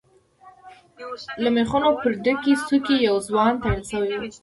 له ميخونو پر ډکې څوکی يو ځوان تړل شوی و.